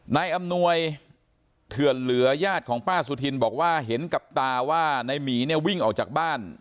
นายอำนวยเถื่อนเหลือญาติของป้าสุธินบอกว่าเห็นกับตาว่านายหมีเนี่ยวิ่งออกจากบ้าน